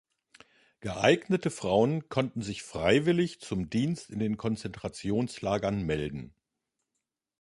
Geeignete Frauen konnten sich freiwillig zum Dienst in den Konzentrationslagern melden.